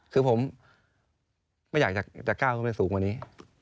คือผมไม่อยากจะก้าวขึ้นไปสูงกว่านี้